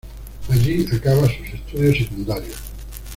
Allí acaba sus estudios secundarios.